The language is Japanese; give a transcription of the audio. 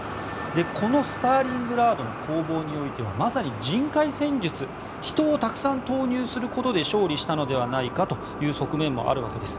このスターリングラードの攻防においてはまさに人海戦術人をたくさん投入することで勝利したのではないかという側面もあるわけです。